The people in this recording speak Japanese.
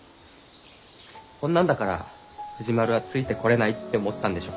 こんなんだから藤丸はついてこれないって思ったんでしょう。